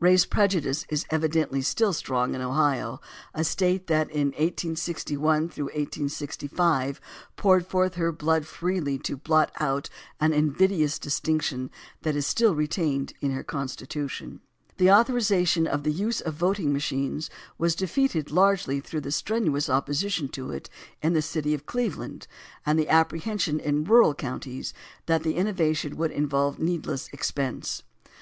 Race prejudice is evidently still strong in Ohio, a State that in 1861 65 poured forth her blood freely to blot out an invidious distinction that is still retained in her Constitution. The authorization of the "Use of Voting Machines" was defeated largely through the strenuous opposition to it in the city of Cleveland, and the apprehension in rural counties that the innovation would in volve needless expense.